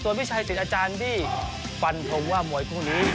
ตัวพิชัยสิทธิ์อาจารย์ที่ฝั่นพรมว่ามวยครู่นี้